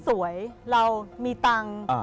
สวยเรามีตังค์